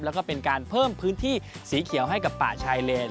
แล้วก็เป็นการเพิ่มพื้นที่สีเขียวให้กับป่าชายเลน